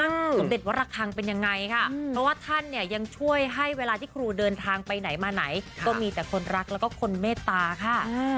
สมเด็จวระคังเป็นยังไงค่ะเพราะว่าท่านเนี่ยยังช่วยให้เวลาที่ครูเดินทางไปไหนมาไหนก็มีแต่คนรักแล้วก็คนเมตตาค่ะ